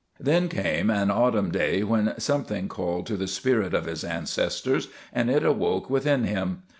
Then came an autumn day when something called to the spirit of his ancestors and it awoke within him.